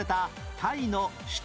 タイの首都？